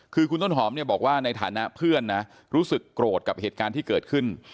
คือคุณต้นหอมเนี่ยบอกว่าในฐานะเพื่อนนะรู้สึกโกรธกับเหตุการณ์ที่เกิดขึ้น